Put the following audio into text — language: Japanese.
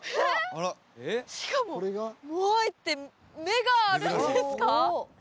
しかもモアイって目があるんですか？